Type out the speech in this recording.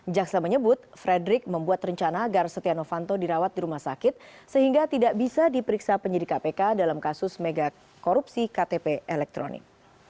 jaksa menyebut frederick membuat rencana agar setia novanto dirawat di rumah sakit sehingga tidak bisa diperiksa penyidik kpk dalam kasus mega korupsi ktp elektronik